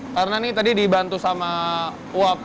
karena ini tadi dibantu sama uap